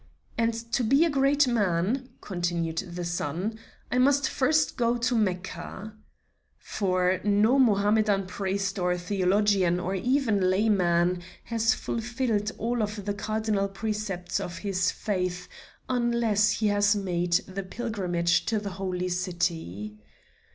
"And to be a great man," continued the son, "I must first go to Mecca." For no Mohammedan priest or theologian, or even layman, has fulfilled all of the cardinal precepts of his faith unless he has made the pilgrimage to the Holy City.